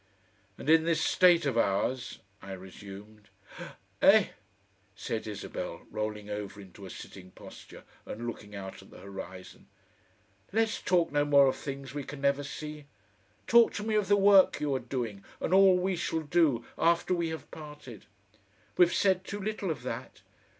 "And in this State of ours," I resumed. "Eh!" said Isabel, rolling over into a sitting posture and looking out at the horizon. "Let's talk no more of things we can never see. Talk to me of the work you are doing and all we shall do after we have parted. We've said too little of that.